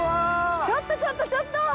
ちょっとちょっとちょっと！